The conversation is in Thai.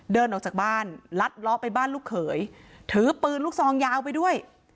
เดินออกจากบ้านลัดล้อไปบ้านลูกเขยถือปืนลูกซองยาวไปด้วย